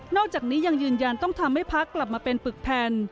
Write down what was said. อกจากนี้ยังยืนยันต้องทำให้พักกลับมาเป็นปึกแผ่น